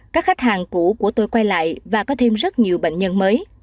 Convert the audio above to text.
các khách hàng cũ của tôi quay lại và có thêm rất nhiều bệnh nhân mới